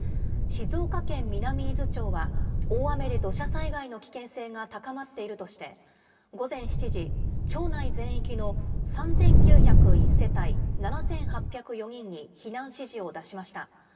静岡県南伊豆町は、大雨で土砂災害の危険性が高まっているとして、午前７時、町内全域の３９０１世帯７８０４人に避難指示を出しました。